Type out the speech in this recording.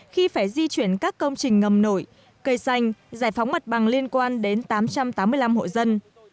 khi phải di chuyển các công trình ngầm nổi cây xanh giải phóng mặt bằng liên quan đến tám trăm tám mươi năm hộ dân